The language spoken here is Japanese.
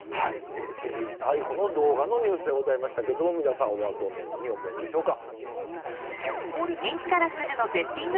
私人逮捕の動画のニュースでしたが皆さんはどのように思うんでしょうか。